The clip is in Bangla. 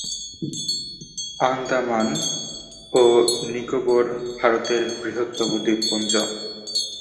আন্দামান ও নিকোবর ভারতের বৃহত্তম দ্বীপপুঞ্জ।